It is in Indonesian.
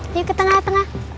ayo ke tengah tengah